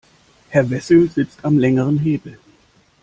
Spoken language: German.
Herr Wessel sitzt am längeren Hebel.